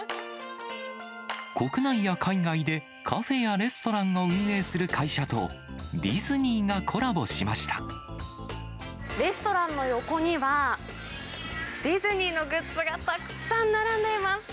国内や海外でカフェやレストランを運営する会社と、ディズニーがレストランの横には、ディズニーのグッズがたくさん並んでいます。